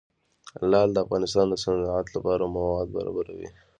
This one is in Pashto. لعل د افغانستان د صنعت لپاره مواد برابروي.